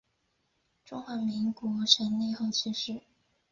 中华民国成立后去世。